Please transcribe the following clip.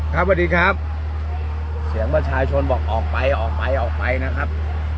สวัสดีครับเสียงประชาชนบอกออกไปออกไปออกไปนะครับ